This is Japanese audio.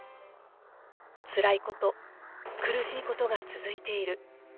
つらいこと、苦しいことが続いている。